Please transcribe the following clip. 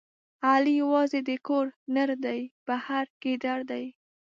علي یوازې د کور نردی، بهر ګیدړ دی.